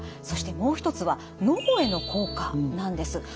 そしてもう１つは脳への効果なんです。